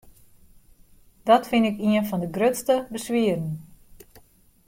Dat fyn ik ien fan de grutste beswieren.